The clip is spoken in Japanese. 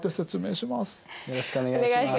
よろしくお願いします。